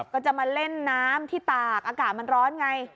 ก็จะมาเล่นน้ำที่ตากอากาศมันร้อนไง